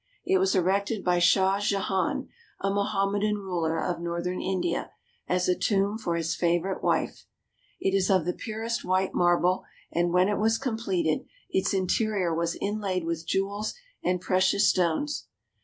It was erected by Shah Jehan, a Moham medan ruler of northern India, as a tomb for his favorite wife. It is of the purest white marble, and when it was completed, its interior was inlaid with jewels and precious stones.